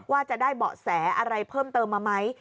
ว่าจะได้เบาะแสอะไรเพิ่มเติมมาไหม